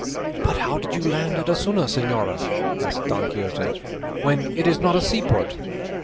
"But how did you land at Osuna, señora," asked Don Quixote, "when it is not a seaport?"